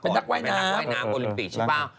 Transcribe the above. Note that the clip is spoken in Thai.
เป็นนักว่ายน้ำ